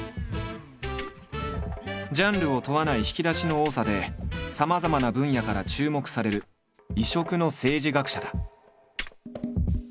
ジャンルを問わない引き出しの多さでさまざまな分野から注目される異色の政治学者だ。